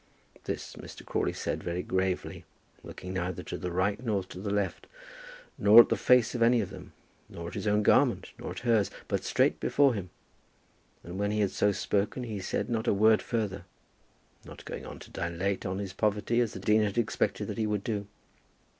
This Mr. Crawley said very gravely, looking neither to the right nor to the left, nor at the face of any of them, nor at his own garment, nor at hers, but straight before him; and when he had so spoken he said not a word further, not going on to dilate on his poverty as the dean expected that he would do.